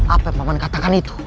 apa yang pak wan katakan itu